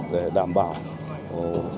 để đảm bảo